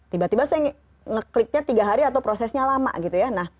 tiba tiba saya ngekliknya tiga hari atau prosesnya lama gitu ya